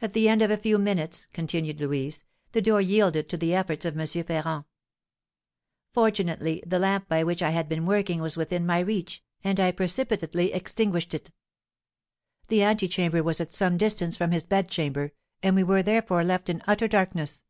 "At the end of a few minutes," continued Louise, "the door yielded to the efforts of M. Ferrand. Fortunately, the lamp by which I had been working was within my reach, and I precipitately extinguished it. The antechamber was at some distance from his bedchamber, and we were, therefore, left in utter darkness.